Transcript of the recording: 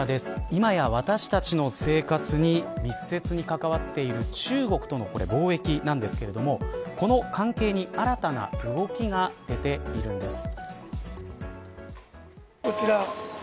今や私たちの生活に密接に関わっている中国との貿易なんですがこの関係に新たな動きが出ているんです。